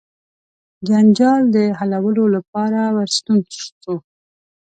جنجال د حلولو لپاره ورستون سو.